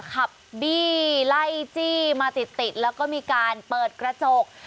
ขับบี้ไล่จี้มาติดแล้วก็มีการเปิดกระจก